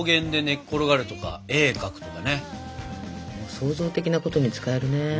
創造的なことに使えるね。